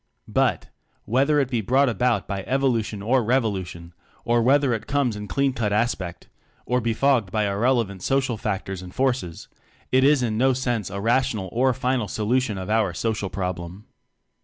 But, whether it be brought about by evolu tion or revolution, or whether it comes in clean cut aspect or befogged by ir relevant social factors and forces, it is in no sense a rational or final so lution of our "social problem."